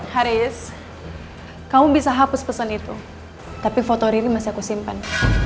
haris kamu bisa hapus pesan itu tapi foto riri masih aku simpan